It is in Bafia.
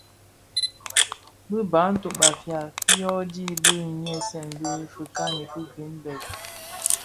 Bi Bantu (Bafia) byodhi bi nyisen bi fikani Greenberg,